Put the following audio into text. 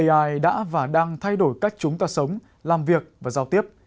ai đã và đang thay đổi cách chúng ta sống làm việc và giao tiếp